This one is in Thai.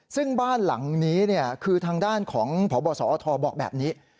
ซึ่งบ้านหลังนี้คือทางด้านของพบสอทบอกแบบนี้